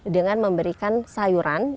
dengan memberikan sayuran